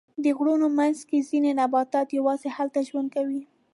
د غرونو منځ کې ځینې نباتات یواځې هلته ژوند کوي.